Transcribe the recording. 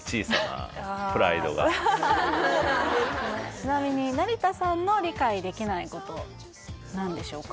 ちなみに成田さんの理解できないこと何でしょうか？